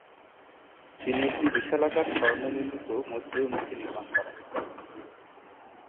তিনি একটি বিশালাকার স্বর্ণ নির্মিত মৈত্রেয় মূর্তি নির্মাণ করান।